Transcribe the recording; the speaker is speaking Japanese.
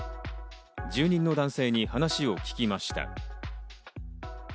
住人の男性に話を聞きました。